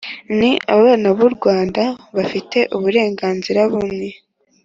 ni abana b’u rwanda bafite uburenganzira bumwe.